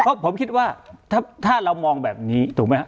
เพราะผมคิดว่าถ้าเรามองแบบนี้ถูกไหมครับ